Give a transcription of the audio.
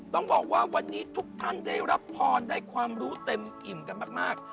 ต้องบอกว่าวันนี้ทุกท่านได้รับพรได้ความรู้เต็มอิ่มกันมาก